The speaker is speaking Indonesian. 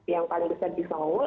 yang paling besar di soul